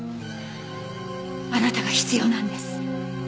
あなたが必要なんです。